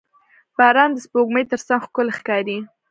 • باران د سپوږمۍ تر څنګ ښکلی ښکاري.